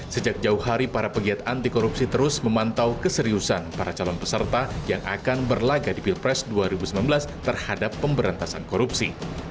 sejak jauh hari para pegiat anti korupsi terus memantau keseriusan para calon peserta yang akan berlaga di pilpres dua ribu sembilan belas terhadap pemberantasan korupsi